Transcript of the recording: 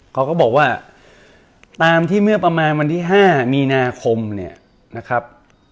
เขาก็บอกว่าตามที่เมื่อประมาณวันที่๕มีนาคมเนี่ยนะครับ